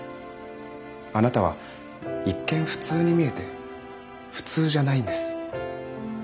あなたは一見普通に見えて普通じゃないんです。